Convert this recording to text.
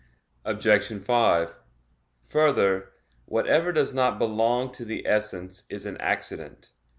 Obj. 5: Further, whatever does not belong to the essence is an accident.